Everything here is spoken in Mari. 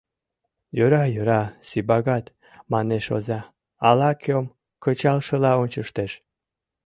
— Йӧра-йӧра, Сивагат, — манеш оза, ала-кӧм кычалшыла ончыштеш.